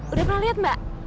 udah pernah liat mbak